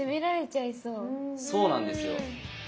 そうなんですよ。